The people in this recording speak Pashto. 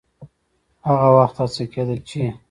هغه وخت هڅه کېده چې